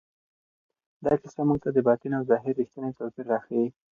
دا کیسه موږ ته د باطن او ظاهر رښتینی توپیر راښیي.